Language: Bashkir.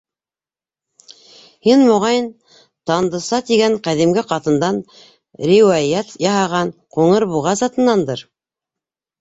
Һин, моғайын, Тандыса тигән ҡәҙимге ҡатындан, риүәйәт яһаған Ҡуңыр буға затынандыр.